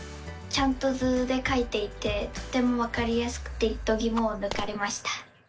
ちゃんと図でかいていてとてもわかりやすくてどぎもをぬかれました！